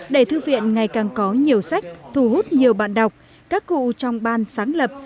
để thư viện ngày càng có nhiều sách thu hút nhiều bạn đọc các cụ trong ban sáng lập